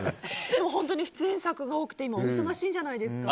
でも出演作が多くてお忙しいんじゃないですか。